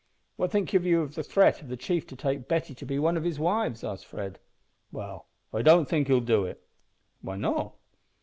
"What think you of the threat of the chief to take Betty to be one of his wives?" asked Fred. "Well, I don't think he'll do it." "Why not?"